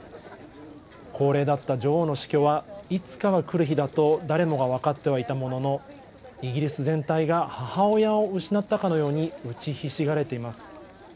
高齢だった女王の死去は、いつかは来る日だと誰もが分かってはいたものの、イギリス全体が母親を失ったかのようにうちひしがれています。